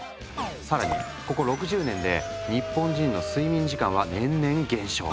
更にここ６０年で日本人の睡眠時間は年々減少。